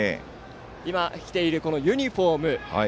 今、着ているユニフォーム。